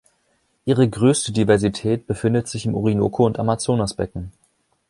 Ihre größte Diversität befindet sich im Orinoco- und Amazonasbecken.